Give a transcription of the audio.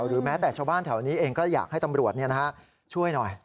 หรือแม้แต่ชาวบ้านแถวนี้เองก็อยากให้ตำรวจช่วยหน่อย